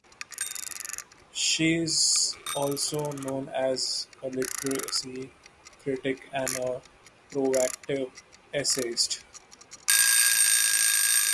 She is also known as a literary critic and a provocative essayist.